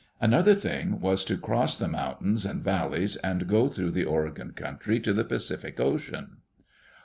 Another thing, was to cross the moun tains and valleys and go through the Oregon country to the Pacific Ocean.